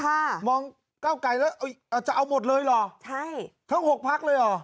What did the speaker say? ค่ะมองเก้าไก่จะเอาหมดเลยเหรอทั้ง๖ภักดิ์เลยเหรอ